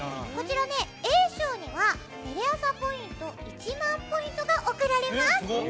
Ａ賞にはテレ朝ポイント１万ポイントが贈られます。